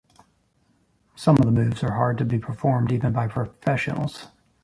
Some of the moves are hard to be performed even by professionals.